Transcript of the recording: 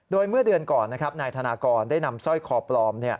โดยเมื่อเดือนก่อนนะครับนายธนากรได้นำสร้อยคอปลอม